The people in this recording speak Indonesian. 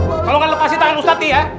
eh kalau nggak lepasin tangan ustadz nih ya